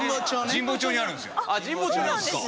神保町にあるんですか。